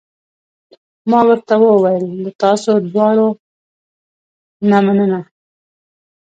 ما ورته وویل: له تاسو دواړو نه مننه.